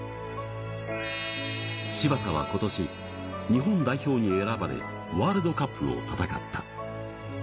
柴田はことし、日本代表に選ばれ、ワールドカップを戦った。